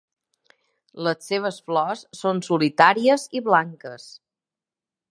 Les seves flors són solitàries i blanques.